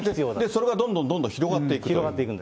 それがどんどんどんどん広がっていくと。